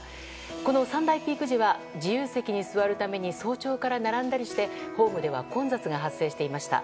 この３大ピーク時は自由席に座るために早朝から並んだりしてホームでは混雑が発生していました。